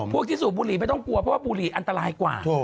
ที่สูบบุหรี่ไม่ต้องกลัวเพราะว่าบุหรี่อันตรายกว่า